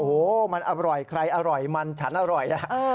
โอ้โหมันอร่อยใครอร่อยมันฉันอร่อย